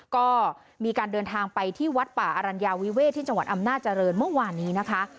ก็มีการเดินทางไปที่วัดป่าอรัญญาวิเวศที่จังหวัดอำนาจริงเมื่อวานนี้นะคะ